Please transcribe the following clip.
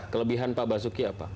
kelebihan pak basuki apa